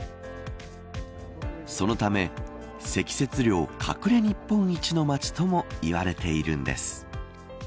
そのため、積雪量隠れ日本一の町とも言われているんです。